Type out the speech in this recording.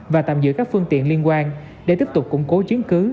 và tạm giữ các phương tiện liên quan để tiếp tục củng cố chiến cứu